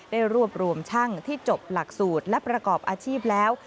ได้รวบรวมช่างที่จบหลักสูตรและประกอบอาชีพแล้ว